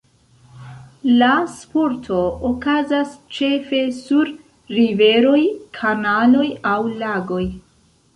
La sporto okazas ĉefe sur riveroj, kanaloj aŭ lagoj.